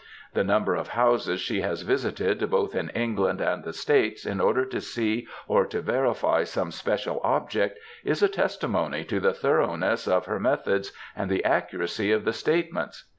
The number of houses she has visited both in England and the States in order to see or to verify some special object, is a testimony to the thoroughness of her methods and the accuracy of the statements.